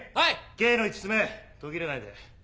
Ｋの五つ目途切れないで。